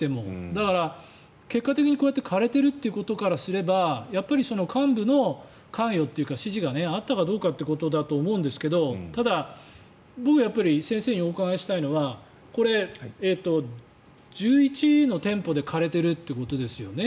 だから結果的にこうやって枯れているということからすれば幹部の関与っていうか指示があったかどうかということだと思うんですがただ、僕は先生にお伺いしたいのはこれ、１１の店舗で枯れているということですよね。